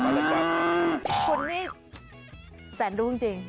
คนนี่แสนรู้จริง